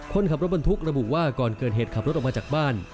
คนขับรถบรรทุกระบุว่าก่อนเกิดเหตุขับรถออกมาจากบ้าน